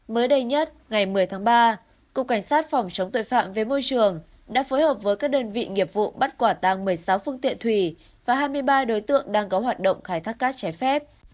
mới đây nhất ngày một mươi tháng ba cục cảnh sát phòng chống tội phạm về môi trường đã phối hợp với các đơn vị nghiệp vụ bắt quả tàng một mươi sáu phương tiện thủy và hai mươi ba đối tượng đang có hoạt động khai thác cát trái phép